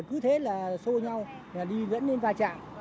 cứ thế là xô nhau đi dẫn lên vài trạng